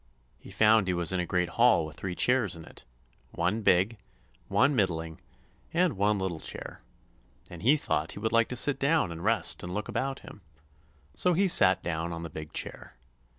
He found he was in a great hall with three chairs in it—one big, one middling, and one little chair; and he thought he would like to sit down and rest and look about him; so he sat down on the big chair.